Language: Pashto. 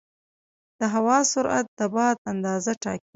د هوا سرعت د باد اندازه ټاکي.